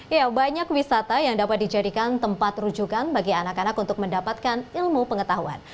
ya banyak wisata yang dapat dijadikan tempat rujukan bagi anak anak untuk mendapatkan ilmu pengetahuan